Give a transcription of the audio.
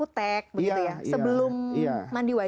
itu harus dibersihkan dulu